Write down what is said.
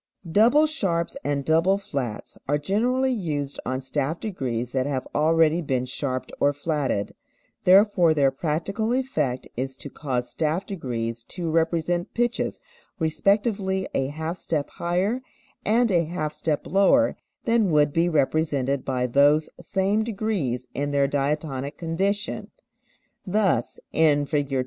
Double sharps and double flats are generally used on staff degrees that have already been sharped or flatted, therefore their practical effect is to cause staff degrees to represent pitches respectively a half step higher and a half step lower than would be represented by those same degrees in their diatonic condition. Thus in Fig.